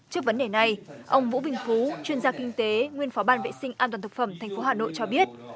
trước vấn đề này ông vũ bình phú chuyên gia kinh tế nguyên phó ban vệ sinh an toàn thực phẩm tp hà nội cho biết